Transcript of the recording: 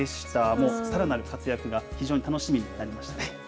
もうさらなる活躍が非常に楽しみになりましたね。